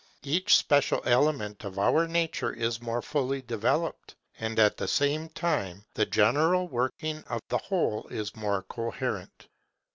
Each special element of our nature is more fully developed, and at the same time the general working of the whole is more coherent.